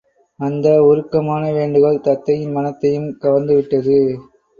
அந்த உருக்கமான வேண்டுகோள் தத்தையின் மனத்தையும் கவர்ந்துவிட்டது.